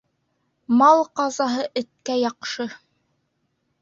Мал ҡазаһы эткә яҡшы.